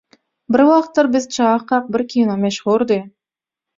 Bir wagtlar biz çagakak bir kino meşhurdy